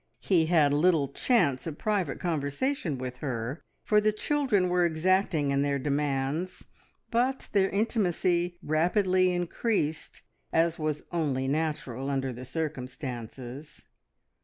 He had little chance of private conversation with her, for the children were exacting in their demands; but their intimacy rapidly increased, as was only natural under the circumstances.